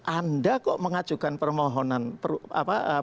anda kok mengajukan permohonan